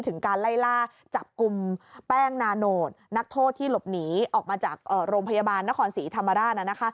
ถึงการไล่ล่าจับกลุ่มแป้งนาโนตนักโทษที่หลบหนีออกมาจากโรงพยาบาลนครศรีธรรมราช